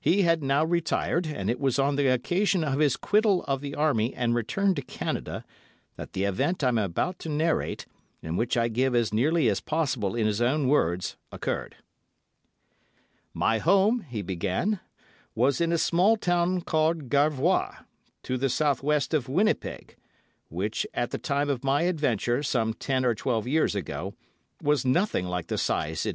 He had now retired, and it was on the occasion of his quittal of the Army and return to Canada that the event I am about to narrate, and which I give as nearly as possible in his own words, occurred:— "My home," he began, "was in a small town called Garvois, to the South West of Winnipeg, which, at the time of my adventure, some ten or twelve years ago, was nothing like the size it is now.